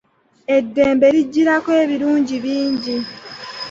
Eddembe lijjirako ebirungi bingi.